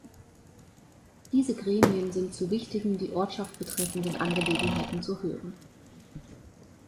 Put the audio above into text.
Diese Gremien sind zu wichtigen die Ortschaft betreffenden Angelegenheiten zu hören.